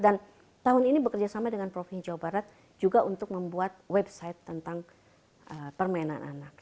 dan tahun ini bekerja sama dengan provinsi jawa barat juga untuk membuat website tentang permainan anak